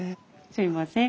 すいません。